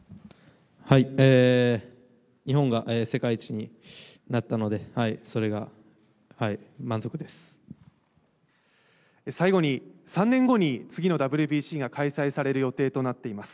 日本が世界一になったので、最後に、３年後に次のＷＢＣが開催される予定となっております。